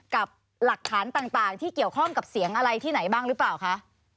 กับหลักฐานต่างที่เกี่ยวข้องกับเสียงอะไรที่ไหนบ้างหรือเปล่าคะ